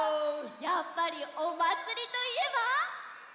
やっぱりおまつりといえば。